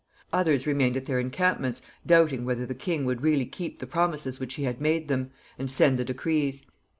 Others remained at their encampments, doubting whether the king would really keep the promises which he had made them, and send the decrees.